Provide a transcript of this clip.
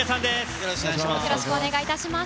よろしく願いします。